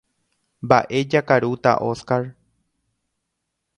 Mba'e jakarúta Óscar.